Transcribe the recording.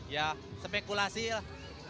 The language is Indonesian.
ya spekulasi lah